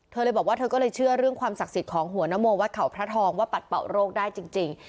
เธอเลยบอกว่าเธอก็เลยเชื่อเรื่องความศักดิ์สิทธิ์ของหัวนโมวัดเขาพระทองว่าปัดเป่าโรคได้จริง